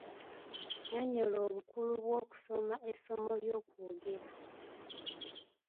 Nnyonnyola obukulu bw'okusoma essomo ly'okwogera.